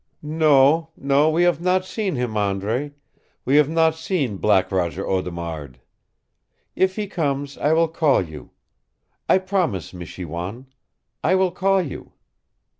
"No, no, we have not seen him, Andre we have not seen Black Roger Audemard. If he comes, I will call you. I promise, Michiwan. I will call you!"